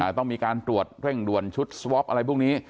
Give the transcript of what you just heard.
ต้องมีการตรวจเร่งด่วนชุดสวอปอะไรพวกนี้